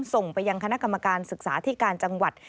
ส่งไปยังคณะกรรมการศึกษาที่การจังหวัด